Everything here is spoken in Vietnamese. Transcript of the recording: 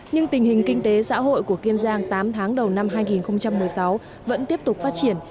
nhưng tình hình kinh tế xã hội của kiên giang tám tháng đầu năm hai nghìn một mươi sáu vẫn tiếp tục phát triển